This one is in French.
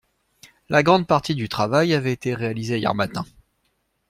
La grande partie du travail avait été réalisée hier matin.